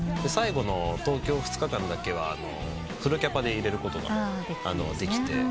最後の東京２日間だけはフルキャパで入れることができて。